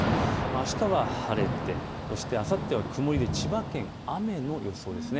あしたは晴れてあさっては曇りで千葉県、雨の予想です。